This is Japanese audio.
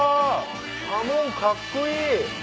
刃文カッコいい！